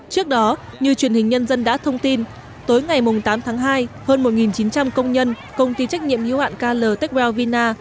trước đó như truyền hình nhân dân đã thông tin tối ngày tám tháng hai hơn một chín trăm linh công nhân công ty trách nhiệm hữu hạn kl techwell vina